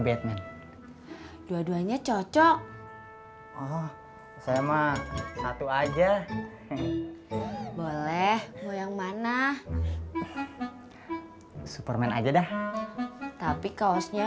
batman dua duanya cocok sama satu aja boleh mau yang mana superman aja dah tapi kaosnya